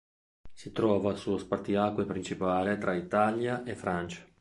Si trova sullo spartiacque principale tra Italia e Francia.